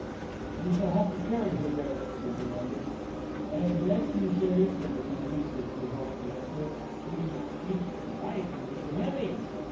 "We shall have to carry her there," said Leander. "Why, bless me, sir," said the chemist, as he helped to lift her, "she she's surprisingly heavy!"